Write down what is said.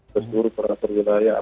sesuai peraturan wilayah